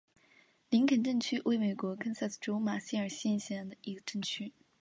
林肯镇区为美国堪萨斯州马歇尔县辖下的镇区。